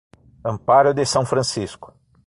Amparo de São Francisco